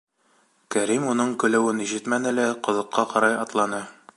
Кәрим уның көлөүен ишетмәне лә, ҡоҙоҡҡа ҡарай атланы.